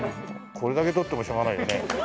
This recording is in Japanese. これだけ取ってもしょうがないよね。